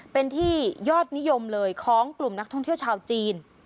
เป็นที่ยอดนิยมเลยของกลุ่มนักท่องเที่ยวชาวจีน